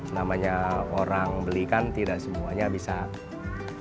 namanya orang beli kan tidak semuanya bisa